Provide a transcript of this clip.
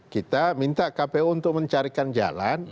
kita minta kpu untuk mencarikan jalan